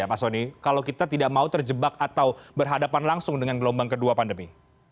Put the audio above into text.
pak soni kalau kita tidak mau terjebak atau berhadapan langsung dengan gelombang kedua pandemi